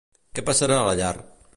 Què passarà a la llar?